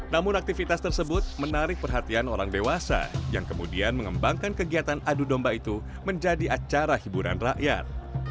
namun aktivitas tersebut menarik perhatian orang dewasa yang kemudian mengembangkan kegiatan adu domba itu menjadi acara hiburan rakyat